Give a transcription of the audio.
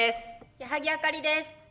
矢作あかりです。